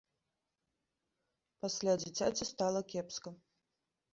Пасля дзіцяці стала кепска.